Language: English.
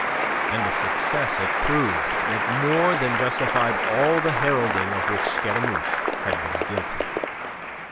And a success it proved that more than justified all the heralding of which Scaramouche had been guilty.